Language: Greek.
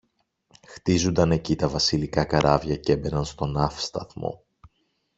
χτίζουνταν εκεί τα βασιλικά καράβια κι έμπαιναν στο ναύσταθμο.